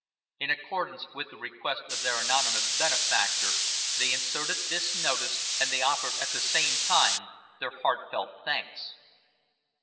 In accordance with the request of their anonymous benefactor, they inserted this notice, and they offered at the same time their heartfelt thanks.